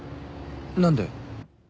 何で？